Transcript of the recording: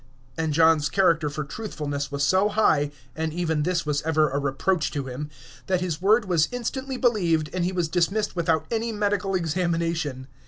And John's character for truthfulness was so high (and even this was ever a reproach to him), that his word was instantly believed, and he was dismissed without any medical examination.